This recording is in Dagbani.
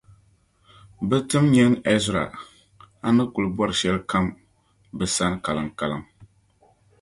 bɛ tim’ nyin’ Ɛzra a ni kul bɔri shɛlikam bɛ sani kaliŋkaliŋ.